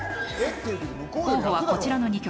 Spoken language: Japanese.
候補はこちらの２曲。